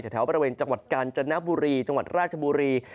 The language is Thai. แถวบริเวณจังหวัดกาญจนบุรีจังหวัดราชบุรี